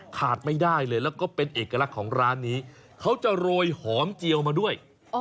ขาดไม่ได้เลยแล้วก็เป็นเอกลักษณ์ของร้านนี้เขาจะโรยหอมเจียวมาด้วย